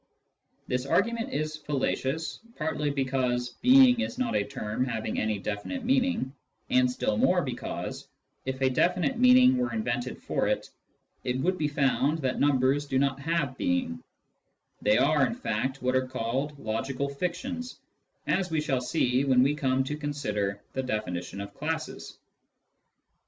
This argument is fallacious, partly because " being " is not a term having any definite meaning, and still more because, if a definite meaning were invented for it, it would be found that numbers do not have being — they are, in fact, what are called " logical fictions," as we shall see when we come to consider the definition of classes.